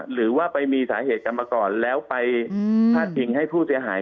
หรือว่าไปมีสาเหตุกันมาก่อนแล้วไปพาดพิงให้ผู้เสียหาย